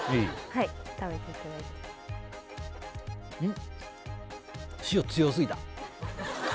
はい食べていただいてうん？